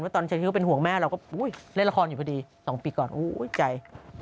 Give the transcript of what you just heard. ว่าตอนเช้าเป็นห่วงแม่เราก็อุ้ยเล่นละครอยู่พอดี๒ปีก่อนอุ้ยใจ